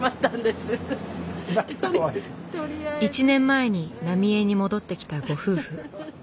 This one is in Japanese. １年前に浪江に戻ってきたご夫婦。